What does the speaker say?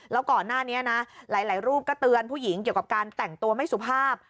แล้วก่อนหน้านี้นะหลายรูปก็เตือนผู้หญิงเกี่ยวกับการแต่งตัวไม่สุภาพ